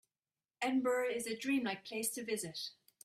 Edinburgh is a dream-like place to visit.